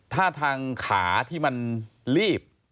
ถ้าทางขาที่มันลีบ